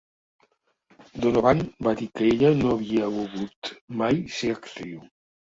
Donovan va dir que ella no havia volgut mai ser actriu.